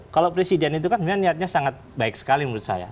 kalau presiden itu kan sebenarnya niatnya sangat baik sekali menurut saya